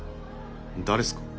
誰っすか？